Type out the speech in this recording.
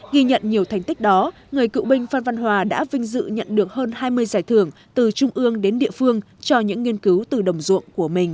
ghi nhận nhiều thành tích đó người cựu binh phan văn hòa đã vinh dự nhận được hơn hai mươi giải thưởng từ trung ương đến địa phương cho những nghiên cứu từ đồng ruộng của mình